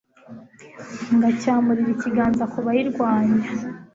ngacyamurira ikiganza ku bayirwanya